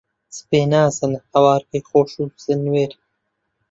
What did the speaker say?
چ بێ نازن، هەوارگەی خۆش و زەنوێر